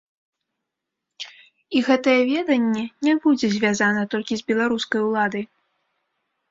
І гэтае веданне не будзе звязана толькі з беларускай уладай.